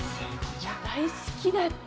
大好きだった。